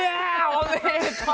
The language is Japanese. おめでとう！